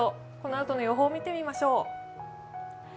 このあとの予報を見てみましょう。